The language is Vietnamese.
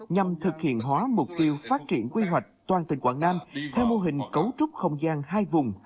nhằm thực hiện hóa mục tiêu phát triển quy hoạch toàn tỉnh quảng nam theo mô hình cấu trúc không gian hai vùng